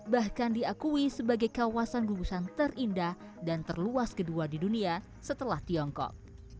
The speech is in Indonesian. bahkan diakui sebagai kawasan gugusan terindah dan terluas kedua di dunia setelah tiongkok